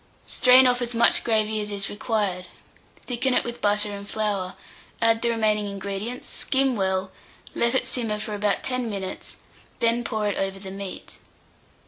Strain off as much gravy as is required, thicken it with butter and flour, add the remaining ingredients, skim well, let it simmer for about 10 minutes, then pour it over the meat.